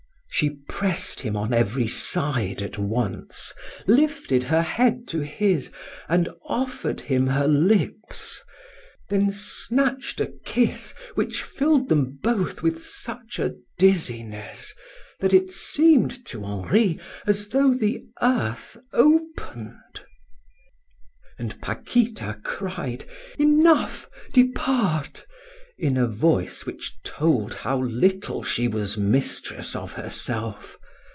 She pressed him on every side at once, lifted her head to his, and offered him her lips, then snatched a kiss which filled them both with such a dizziness that it seemed to Henri as though the earth opened; and Paquita cried: "Enough, depart!" in a voice which told how little she was mistress of herself.